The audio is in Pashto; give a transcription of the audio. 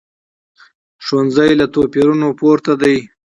ښوونځی له توپیرونو پورته دی